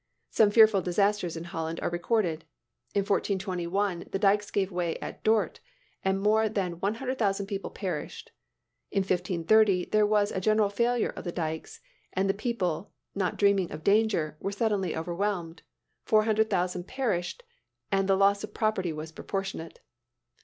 Some fearful disasters in Holland are recorded. In 1421, the dykes gave way at Dort, and more than one hundred thousand people perished. In 1530, there was a general failure of the dykes, and the people, not dreaming of danger, were suddenly overwhelmed; four hundred thousand perished, and the loss of property was proportionate.